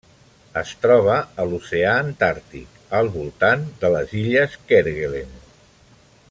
Es troba a l'Oceà Antàrtic: al voltant de les Illes Kerguelen.